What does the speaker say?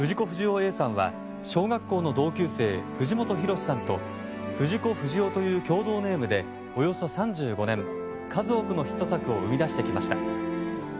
不二雄Ａさんは小学校の同級生、藤本弘さんと藤子不二雄という共同ネームでおよそ３５年数多くのヒット作を生み出してきました。